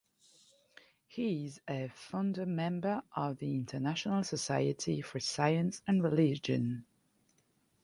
He is a founder member of the International Society for Science and Religion.